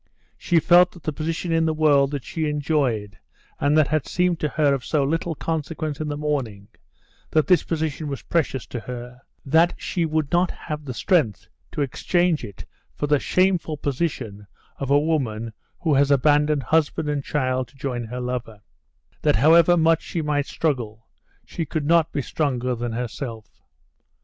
She felt that the position in the world that she enjoyed, and that had seemed to her of so little consequence in the morning, that this position was precious to her, that she would not have the strength to exchange it for the shameful position of a woman who has abandoned husband and child to join her lover; that however much she might struggle, she could not be stronger than herself.